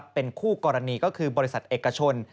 เป็นคู่กรณีก็คือบริษัทเอกชน